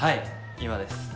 今です。